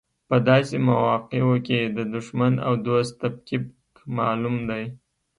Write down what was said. په داسې مواقعو کې د دوښمن او دوست تفکیک معلوم دی.